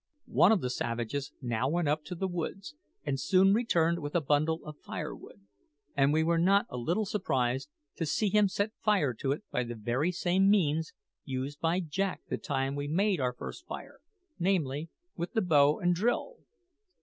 One of the savages now went up to the woods and soon returned with a bundle of firewood, and we were not a little surprised to see him set fire to it by the very same means used by Jack the time we made our first fire namely, with the bow and drill.